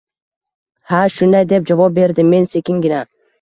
Ha, shunday, – deb javob berdim men sekingina.